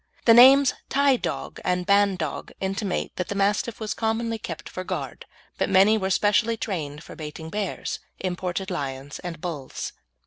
The names Tie dog and Bandog intimate that the Mastiff was commonly kept for guard, but many were specially trained for baiting bears, imported lions, and bulls.